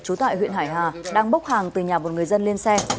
trú tại huyện hải hà đang bốc hàng từ nhà một người dân lên xe